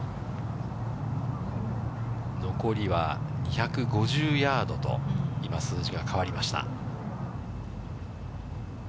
残りは２５０ヤードと、今、数字が変わりました。